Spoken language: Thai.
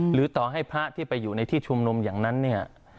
หรือต่อให้พระที่ไปอยู่ในที่ชุมนุมอย่างนั้นเนี่ย